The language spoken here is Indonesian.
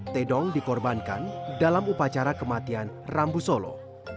tedong dikorbankan dalam upacara kematian rambu solo